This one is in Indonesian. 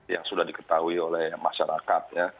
yang sudah diketahui oleh masyarakat